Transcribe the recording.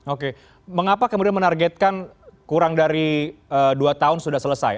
oke mengapa kemudian menargetkan kurang dari dua tahun sudah selesai